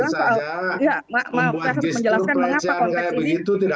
saya harus menjelaskan mengapa konteks ini